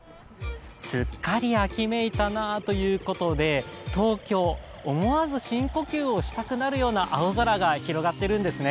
すっかり秋めいたなということで東京、思わず深呼吸をしたくなるような青空が広がってるんですね。